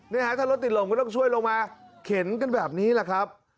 ฮะถ้ารถติดลมก็ต้องช่วยลงมาเข็นกันแบบนี้แหละครับ